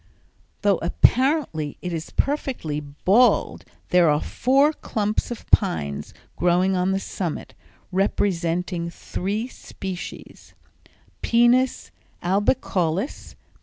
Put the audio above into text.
Though apparently it is perfectly bald, there are four clumps of pines growing on the summit, representing three species, Pinus albicaulis, P.